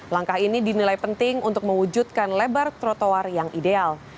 langkah ini dinilai penting untuk mewujudkan lebar trotoar yang ideal